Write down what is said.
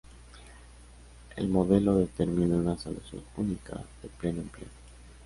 El modelo determina una solución única de pleno empleo.